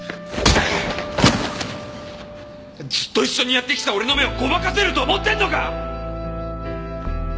ずっと一緒にやってきた俺の目をごまかせると思ってるのか！